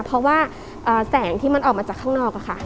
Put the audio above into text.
เพราะว่าแสงที่มันออกมาจากข้างนอกค่ะ